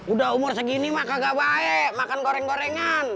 udah umur segini mah kagak baik makan goreng gorengan